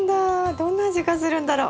どんな味がするんだろ？